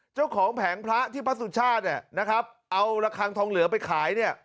เจ้าของแผงพระที่พระสุชาตินะครับเอาระครทองเหลือไปขาย